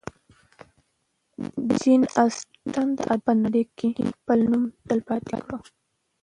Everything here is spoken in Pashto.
جین اسټن د ادب په نړۍ کې خپل نوم تلپاتې کړ.